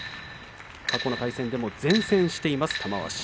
過去の対戦でも善戦しています玉鷲。